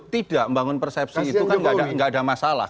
tidak membangun persepsi itu kan tidak ada masalah